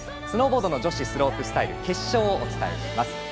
スノーボードの女子スロープスタイル決勝をお伝えします。